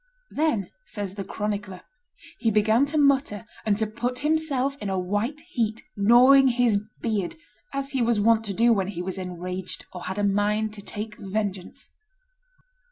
"Then," says the chronicler, "he began to mutter and to put himself in a white heat, gnawing his beard, as he was wont to do when he was enraged or had a mind to take vengeance."